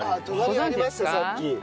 隣ありましたさっき。